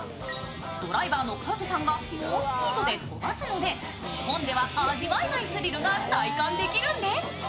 ドライバーのカートさんが猛スピードで飛ばすので、日本では味わえないスリルが体験できるんです。